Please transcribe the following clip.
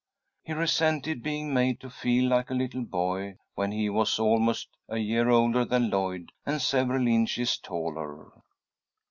He resented being made to feel like a little boy when he was almost a year older than Lloyd and several inches taller.